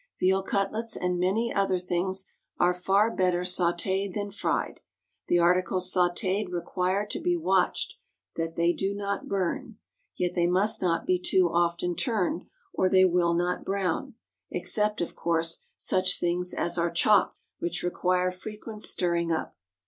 Veal cutlets and many other things are far better sautéd than fried. The articles sautéd require to be watched that they do not burn; yet they must not be too often turned, or they will not brown except, of course, such things as are chopped, which require frequent stirring up.